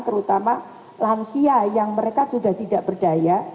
terutama lansia yang mereka sudah tidak berdaya